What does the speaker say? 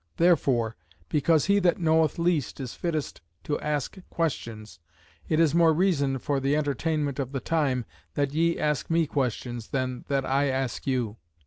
Therefore because he that knoweth least is fittest to ask questions, it is more reason, for the entertainment of the time, that ye ask me questions, than that I ask you."